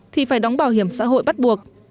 thì phải đóng bảo hiểm xã hội bắt buộc